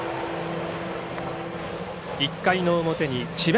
１回の表に智弁